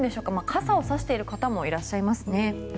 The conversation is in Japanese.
傘を差している方もいらっしゃいますね。